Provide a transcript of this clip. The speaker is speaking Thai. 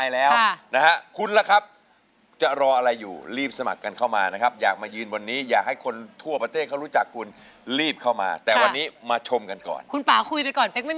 แล้วลักษณะแกสักเนี่ยวันนั้นเขารวดราคาอะไรหรือฮะ